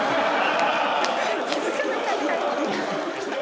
気付かなかった。